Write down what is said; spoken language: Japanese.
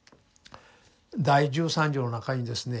第十三条の中にですね